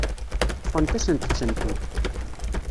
Ṭṭfent-asent-tent-id.